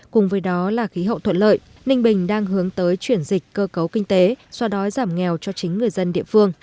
cùng với đó là khí hậu thuận lợi ninh bình đang hướng tới chuyển dịch cơ cấu kinh tế xoa đói giảm nghèo cho chính người dân địa phương